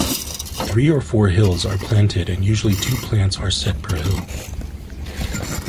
Three or four hills are planted and usually two plants are set per hill.